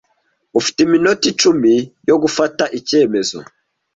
Ufite iminota icumi yo gufata icyemezo.